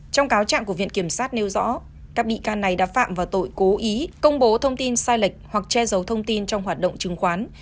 trong cáo trạng của viện kiểm sát nêu rõ các bị can này đã phạm vào tội cố ý công bố thông tin sai lệch hoặc che giấu thông tin trong hoạt động chứng khoán